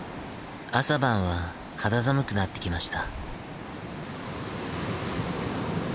朝晩は肌寒くなってきました。